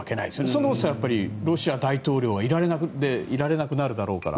そもそもロシア大統領でいられなくなるだろうから。